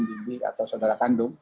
bimbi atau saudara kandung